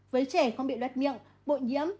với trẻ không bị loát miệng bội nhiễm